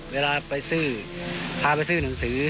เวลาไปซื้อพาไปซื้อหนังสือ